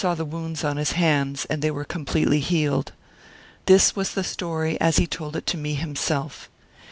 28 Martyred Armenia the wounds on his hands, and they were completely healed. This was the story as he told it to me him self.